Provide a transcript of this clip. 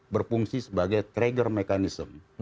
berfungsi sebagai trigger mekanism